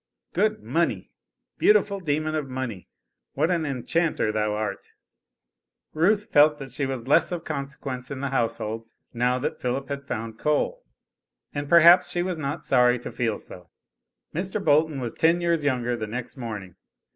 Good Money! beautiful demon of Money, what an enchanter thou art! Ruth felt that she was of less consequence in the household, now that Philip had found Coal, and perhaps she was not sorry to feel so. Mr. Bolton was ten years younger the next morning.